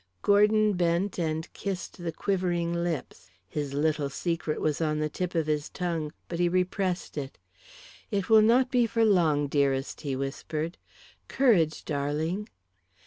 Gordon bent and kissed the quivering lips. His little secret was on the tip of his tongue, but he repressed it. "It will not be for long, dearest," he whispered. "Courage, darling."